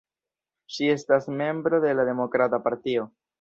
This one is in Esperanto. Ŝi estas membro de la Demokrata Partio.